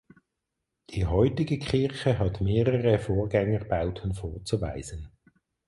Die heutige Kirche hat mehrere Vorgängerbauten vorzuweisen.